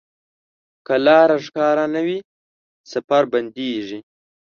که لاره ښکاره نه وي، سفر بندېږي.